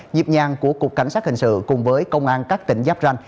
dịp nhang của cục cảnh sát hình sự cùng với công an các tỉnh giáp ranh